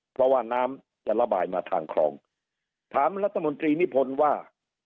เพราะว่าน้ำจะระบายมาทางคลองถามรัฐมนตรีนิพนธ์ว่า